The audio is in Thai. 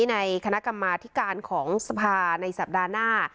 ในคณะกรรมาธิการของสภาในสัปดาห์หน้า